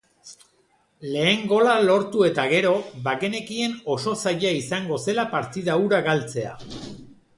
Lehen gola lortu eta gero bagenekien oso zaila izango zela partida hura galtzea.